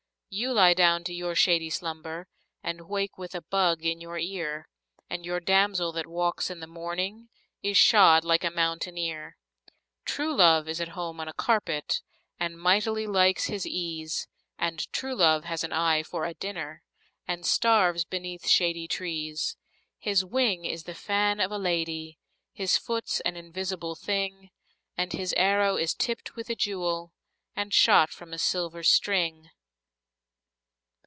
You lie down to your shady slumber And wake with a bug in your ear, And your damsel that walks in the morning Is shod like a mountaineer. True love is at home on a carpet, And mightily likes his ease And true love has an eye for a dinner, And starves beneath shady trees. His wing is the fan of a lady, His foot's an invisible thing, And his arrow is tipped with a jewel, And shot from a silver string.